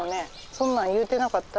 そんなん言うてなかった？